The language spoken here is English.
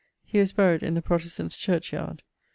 He was buryed in the Protestants church yard.